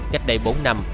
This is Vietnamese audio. trách đầy bốn năm